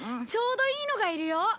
ちょうどいいのがいるよ！